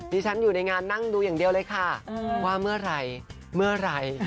ฉันอยู่ในงานนั่งดูอย่างเดียวเลยค่ะว่าเมื่อไหร่เมื่อไหร่